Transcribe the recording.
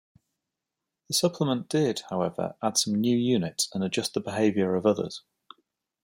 The supplement did however add some new units and adjust the behavior of others.